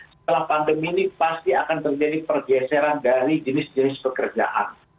setelah pandemi ini pasti akan terjadi pergeseran dari jenis jenis pekerjaan